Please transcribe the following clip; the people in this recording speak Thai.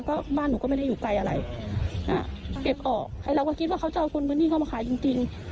ก็บ้านหนูก็ไม่ได้อยู่ไกลอะไรอ่าเก็บออกไอ้เราก็คิดว่าเขาจะเอาคนพื้นที่เข้ามาขายจริงจริง